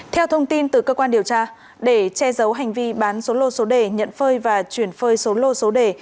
theo thông tin từ cơ quan điều tra để che giấu hành vi bán số lô số đề nhận phơi và chuyển phơi số lô số đề